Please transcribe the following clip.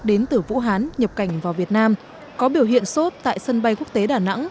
đến từ vũ hán nhập cảnh vào việt nam có biểu hiện sốt tại sân bay quốc tế đà nẵng